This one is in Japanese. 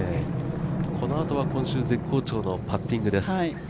このあとは今週絶好調のパッティングです。